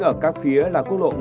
ở các phía là quốc lộ